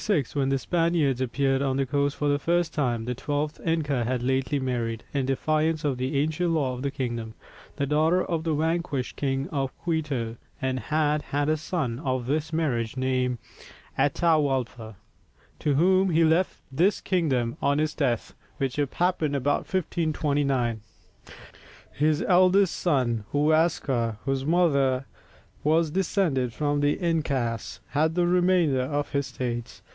In 1526, when the Spaniards appeared on the coast for the first time, the twelfth inca had lately married in defiance of the ancient law of the kingdom the daughter of the vanquished king of Quito, and had had a son of this marriage named Atahualpa, to whom he left this kingdom on his death, which happened about 1529. His eldest son Huascar, whose mother was descended from the incas, had the remainder of his states.